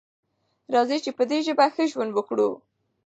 راځئ چې په دې ژبه ښه ژوند وکړو.